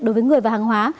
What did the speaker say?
đối với người và hàng hóa